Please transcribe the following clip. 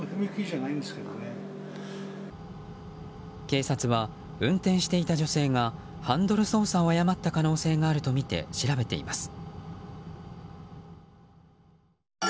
警察は運転していた女性がハンドル操作を誤った可能性があるとみて調べています。